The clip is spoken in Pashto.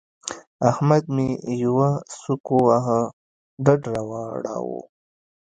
احمد مې يوه سوک وواهه؛ ډډ را واړاوو.